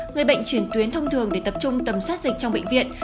người bệnh chuyển tuyến thông thường để tập trung tầm soát dịch trong bệnh viện